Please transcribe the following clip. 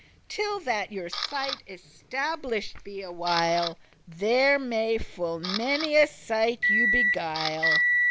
Till that your sight establish'd be a while, There may full many a sighte you beguile.